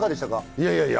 いやいやいや